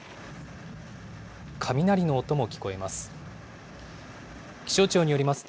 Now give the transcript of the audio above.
雷の音も聞こえます。